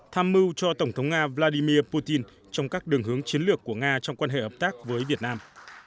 tham mưu cho tổng thống nga vladimir putin trong các đường hướng chiến lược của nga trong quan hệ hợp tác với việt nam